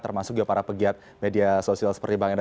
termasuk ya para pegiat media sosial seperti bang enda